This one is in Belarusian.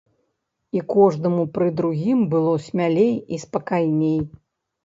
І кожнаму пры другім было смялей і спакайней.